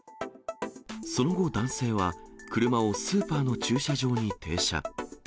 その後、男性は車をスーパーの駐車場に停車。